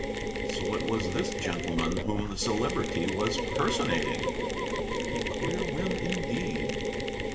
So it was this gentleman whom the Celebrity was personating! A queer whim indeed.